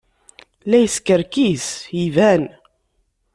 La yeskerkis? Iban.